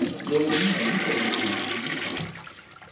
L'origine n'a ni commencement ni fin.